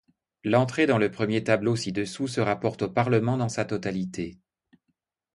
L'entrée dans le premier tableau ci-dessous se rapporte au Parlement dans sa totalité.